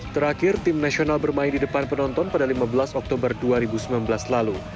terakhir tim nasional bermain di depan penonton pada lima belas oktober dua ribu sembilan belas lalu